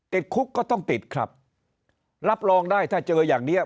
ติดคุกก็ต้องติดครับรับรองได้ถ้าเจออย่างนี้